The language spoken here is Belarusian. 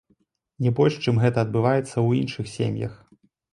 Не больш, чым гэта адбываецца ў іншых сем'ях.